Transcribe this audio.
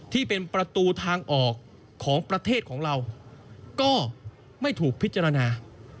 ที่เป็นประตูทางออกของประเทศของเราก็ไม่ถูกพิจารณา